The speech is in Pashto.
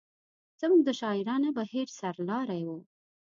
زموږ د شاعرانه بهیر سر لاری و.